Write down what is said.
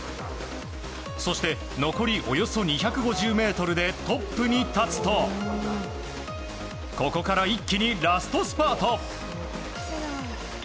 そして、残りおよそ２５０ｍでトップに立つとここから一気にラストスパート。